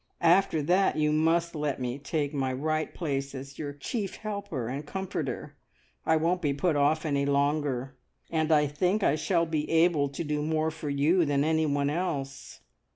after that you must let me take my right place as your chief helper and comforter. I won't be put off any longer, and I think I shall be able to do more for you than anyone else."